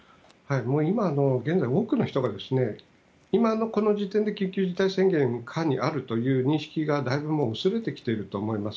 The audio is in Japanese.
現在、多くの人が今のこの時点で緊急事態宣言下にあるという認識がだいぶ薄れてきていると思います。